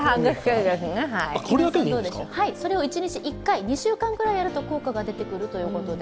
それを１日１回２週間ぐらいやると効果が出てくるということで。